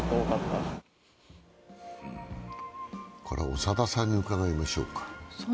これは長田さんに伺いましょうか。